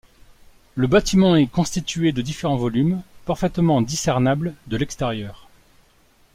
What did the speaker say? Le bâtiment est constitué de différents volumes parfaitement discernables de l'extérieur.